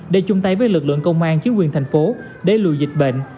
để chung tay với lực lượng công an chiến quyền thành phố đế lùi dịch bệnh